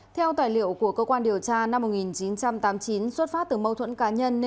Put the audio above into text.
theo tài liệu của cơ quan điều tra năm một nghìn chín trăm tám mươi chín xuất phát từ mâu thuẫn cá nhân